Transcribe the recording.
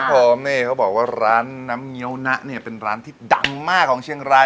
เขาบอกว่าร้านน้ำเงาณะเป็นร้านที่ดังมากของเชียงราย